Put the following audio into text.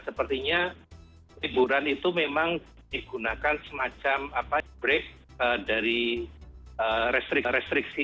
sepertinya liburan itu memang digunakan semacam break dari restriksi restriksi